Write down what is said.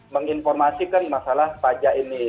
menginformasikan masalah pajak ini